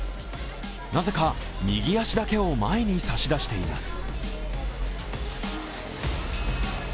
なぜか右足だけを前に差し出しています。